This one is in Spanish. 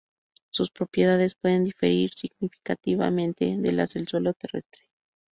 Sus propiedades pueden diferir significativamente de las del suelo terrestre.